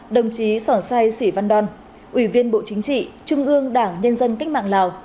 đồng chí sỏn sai sĩ văn đoan ủy viên bộ chính trị trung ương đảng nhân dân cách mạng lào